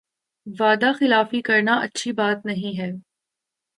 وعدہ خلافی کرنا اچھی بات نہیں ہے